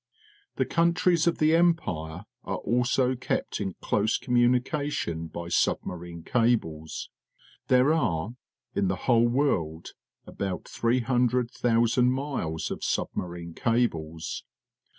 The countries of the Empire are also kept in close conomunication by submarine cables. There are, in the whole world, about 300,000 miles of submarine cables.